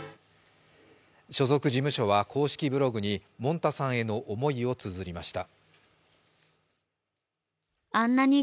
所属事務所は公式ブログにもんたさんへの思いをつづりました。